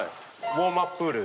ウォームアッププール？